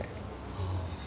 ああ。